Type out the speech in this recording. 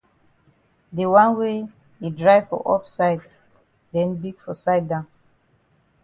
De wan wey yi dry for up side den big for side down.